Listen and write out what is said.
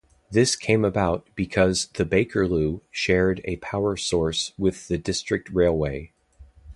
This came about because the Bakerloo shared a power source with the District Railway.